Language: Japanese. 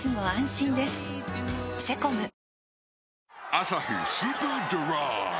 「アサヒスーパードライ」